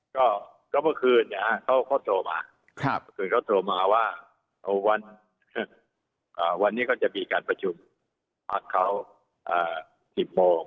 บ๊วยก็เมื่อคืนเขาโทรมาว่าวันนี้ก็จะมีการประชุมพักเขา๑๐โมง